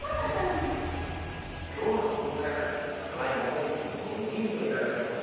今日の食材なんですがちょっともこみち君と僕にヒント頂けますか？